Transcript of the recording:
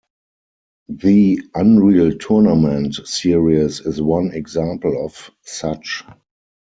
The "Unreal Tournament" series is one example of such.